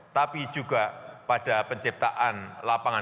tapi juga pada penciptaan lapangan